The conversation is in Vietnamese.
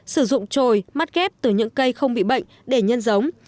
sử dụng trồi mắt ghép từ những cây không bị bệnh để nhân giống